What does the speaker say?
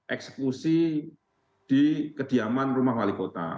eksekusi di kediaman rumah wali kota